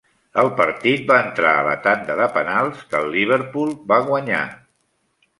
El partit va entrar a la tanda de penals, que el Liverpool va guanyar.